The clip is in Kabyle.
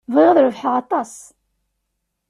Bɣiɣ ad rebḥeɣ aṭas.